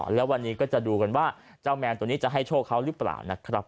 แล้ววันนี้ก็จะดูกันว่าเจ้าแมวตัวนี้จะให้โชคเขาหรือเปล่านะครับ